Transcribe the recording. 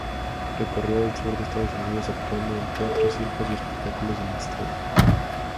Recorrió el sur de Estados Unidos actuando en teatros, circos y espectáculos de minstrel.